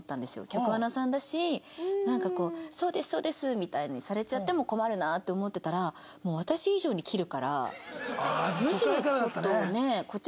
局アナさんだしなんかこうそうですそうですみたいにされちゃっても困るなって思ってたらむしろちょっとね。